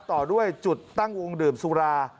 ต่อด้วยจุดตั้งวงดื่มสุรา